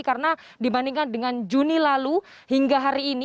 karena dibandingkan dengan juni lalu hingga hari ini